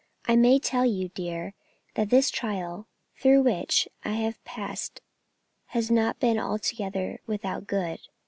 I may tell you, dear, that this trial through which I have passed has not been altogether without good.